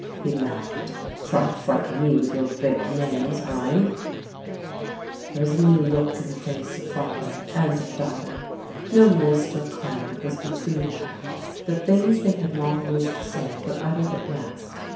he laughed. " Try to frighten me %vith your big names — hciiiF " There was a new look in the face of father and of daughter. No mist or cloud was between them. The things they had long wished to say were uttered at last.